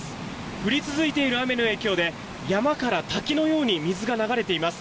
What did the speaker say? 降り続いている雨の影響で山から滝のように水が流れています。